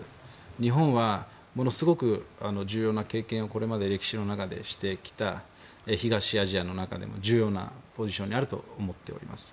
日本はものすごく重要な経験をこれまでの歴史の中でしてきた東アジアの中でも重要なポジションであると思います。